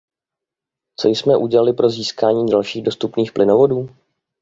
Co jsme udělali pro získání dalších dostupných plynovodů?